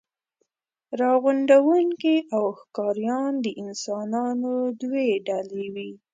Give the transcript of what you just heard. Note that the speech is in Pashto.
راغونډوونکي او ښکاریان د انسانانو دوې ډلې وې.